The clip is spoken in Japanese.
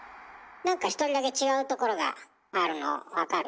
何か一人だけ違うところがあるの分かる？